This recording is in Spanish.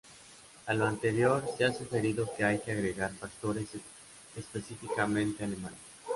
A lo anterior se ha sugerido que hay que agregar factores específicamente alemanes.